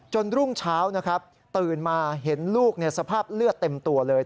รุ่งเช้านะครับตื่นมาเห็นลูกสภาพเลือดเต็มตัวเลย